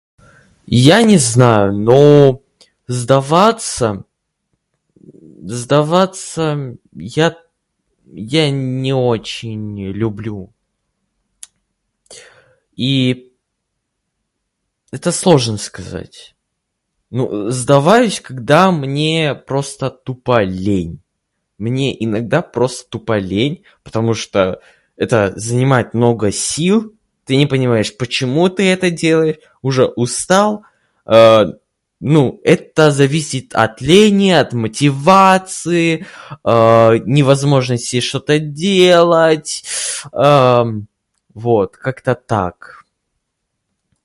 Я не знаю, но сдаваться, сдаваться я я н- не очень люблю, и-и... это сложно сказать. Ну, сдаваюсь, когда мне просто тупо лень. Мне иногда просто тупо лень, потому что это занимает много сил, ты не понимаешь, почему ты это делаешь, уже устал, [disfluency|а-а] , ну, это зависит от лени, от мотивации, [disfluency|а-а], невозможности что-то делать, [disfluency|а-а] , вот, как-то так.